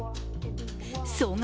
総額